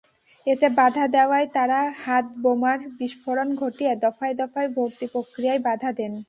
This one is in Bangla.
এতে বাধা দেওয়ায় তাঁরা হাতবোমার বিস্ফোরণ ঘটিয়ে দফায় দফায় ভর্তিপ্রক্রিয়ায় বাধা দেন।